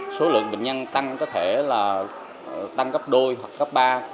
số lượng bệnh nhân tăng có thể là tăng gấp đôi hoặc gấp ba